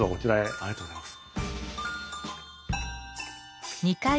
ありがとうございます。